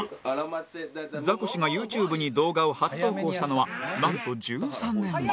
ザコシがユーチューブに動画を初投稿したのはなんと１３年前